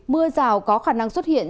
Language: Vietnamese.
mưa rào có khả năng xuất hiện